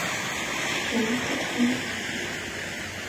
蒋可心。